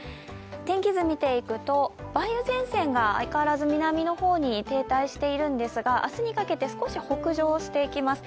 天気図を見ていくと、梅雨前線が相変わらず南の方に停滞しているんですが明日にかけて少し北上していきます。